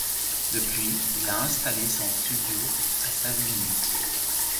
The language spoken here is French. Depuis, il a installé son studio à Savigny.